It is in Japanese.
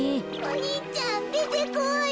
お兄ちゃんでてこい。